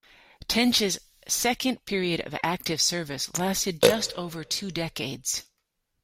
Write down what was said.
"Tench"’s second period of active service lasted just over two decades.